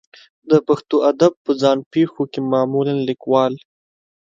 د پښتو ادب په ځان پېښو کې معمولا لیکوال